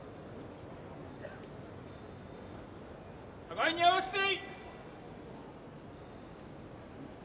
互いに合わせて。